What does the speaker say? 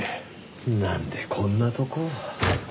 なんでこんなとこを。